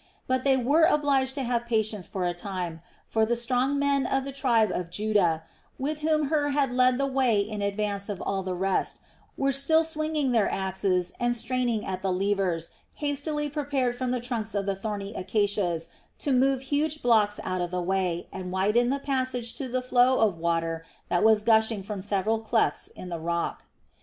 But they were obliged to have patience for a time, for the strong men of the tribe of Judah, with whom Hur had led the way in advance of all the rest, were still swinging their axes and straining at the levers hastily prepared from the trunks of the thorny acacias to move huge blocks out of the way and widen the passage to the flow of water that was gushing from several clefts in the rock.